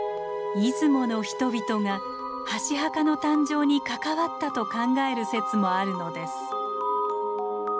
出雲の人々が箸墓の誕生に関わったと考える説もあるのです。